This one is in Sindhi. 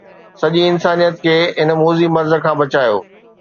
سڄي انسانيت کي هن موذي مرض کان بچايو